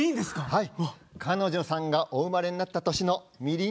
はい！